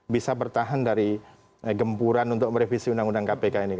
bisa bertahan dari gempuran untuk merevisi undang undang kpk ini